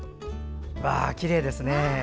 きれいですね。